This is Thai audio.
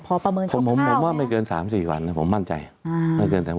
พอประเมินคร่องคร่าวผมว่าไม่เกินสามสี่วันผมมั่นใจอ่า